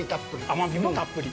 甘みもたっぷり。